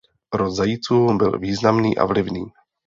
Rod Zajíců byl významný a vlivný.